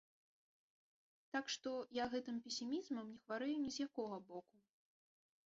Так што, я гэтым песімізмам не хварэю ні з якога боку.